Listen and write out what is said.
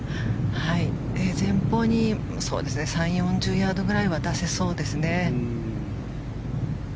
前方に３０４０ヤードぐらいは出せそうですね。